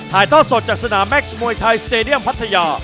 ท่อสดจากสนามแม็กซ์มวยไทยสเตดียมพัทยา